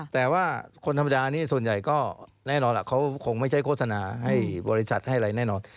แต่ว่าคนธรรมดานี้ส่วนใหญ่ก็แน่นอนล่ะเขาคงไม่ใช่โฆษณาให้บริษัทให้อะไรแน่นอน